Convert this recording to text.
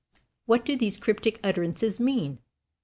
What do these cryptic utterances mean?